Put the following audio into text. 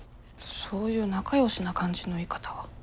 そういう仲よしな感じの言い方は。